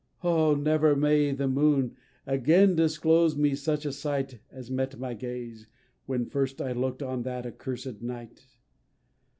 Oh! never may the moon again disclose me such a sight As met my gaze, when first I look'd, on that accursed night!